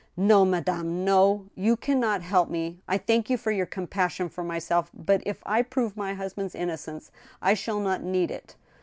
" No, madame, no ! You can not help me. I thank you for your compassion for myself. But if I prove my husband's innocence, I shall not need it.